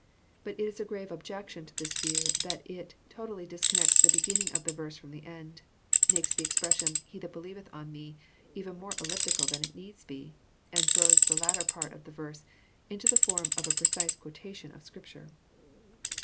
But it is a grave objection to this view that it totally disconnects the beginning of the verse from the end, — makes the expression He that believeth on me " even more elliptical than it needs be,— and throws the latter part of the verse into the form of a precise quotation of Scripture.